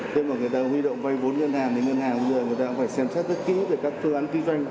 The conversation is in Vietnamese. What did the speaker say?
khi mà người ta huy động vay vốn ngân hàng thì ngân hàng bây giờ người ta cũng phải xem xét rất kỹ về các phương án kinh doanh